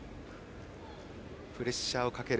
プレッシャーをかける。